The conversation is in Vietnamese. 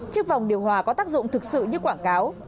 chiếc vòng điều hòa có tác dụng thực sự như quảng cáo